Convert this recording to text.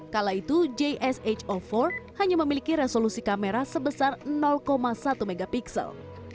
kala itu jsh al empat hanya memiliki resolusi kamera sebesar satu megapiksel